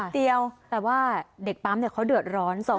แต่ว่าเด็กปั๊มเด็กเขาเดือดร้อน